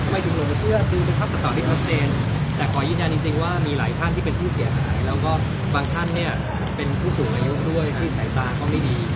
ไม่ถึงหลงชื่อขออยินยันจริงจริงว่ามีสูงอายุด้วยที่ใส่ตาก็น่าก็ไม่ดี